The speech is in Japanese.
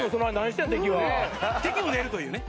敵も寝るというね。